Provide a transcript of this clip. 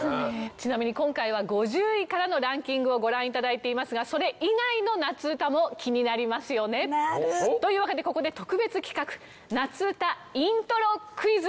ちなみに今回は５０位からのランキングをご覧頂いていますがそれ以外の夏うたも気になりますよね？というわけでここで特別企画夏うたイントロクイズ。